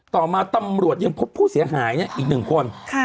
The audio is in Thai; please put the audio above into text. ต่อมาตำรวจยังพบผู้เสียหายเนี้ยอีกหนึ่งคนค่ะ